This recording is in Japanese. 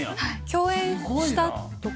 共演したとか？